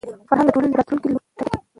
فرهنګ د ټولني د راتلونکي لوری ټاکي.